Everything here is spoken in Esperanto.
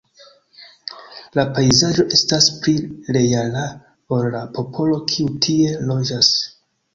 La pejzaĝo “estas pli reala ol la popolo kiu tie loĝas.